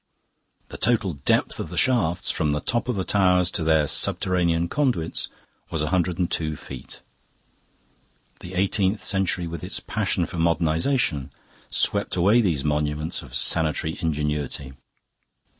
The total depth of the shafts from the top of the towers to their subterranean conduits was a hundred and two feet. The eighteenth century, with its passion for modernisation, swept away these monuments of sanitary ingenuity.